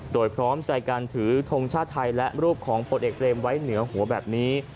โดยพร้อมใจการถือทงชาติไทยและรูปของผลเอกเรมไว้เหนือหัวแบบนี้